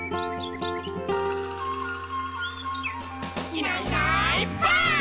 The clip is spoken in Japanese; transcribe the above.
「いないいないばあっ！」